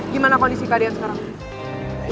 gimana kondisi keadaan sekarang